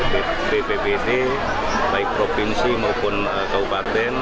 bppd baik provinsi maupun kabupaten